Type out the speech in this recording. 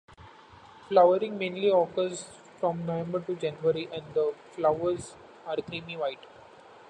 Flowering mainly occurs from November to January and the flowers are creamy white.